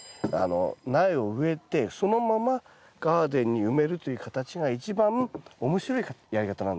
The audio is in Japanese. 苗を植えてそのままガーデンに埋めるという形が一番面白いやり方なんです。